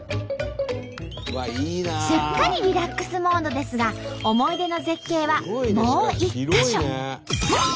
すっかりリラックスモードですが思い出の絶景はもう一か所。